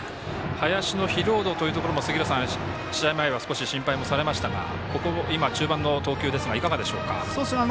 林の疲労度というところも杉浦さん、試合前は心配もされましたがここ今、中盤の投球ですがいかがですか。